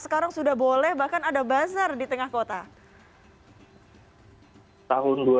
sekarang sudah boleh bahkan ada buzzer di tengah kota